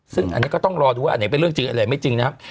ซึ่งอันนี้ก็ต้องรอดูว่าอันไหนเป็นเรื่องจริงอันไหนไม่จริงนะครับ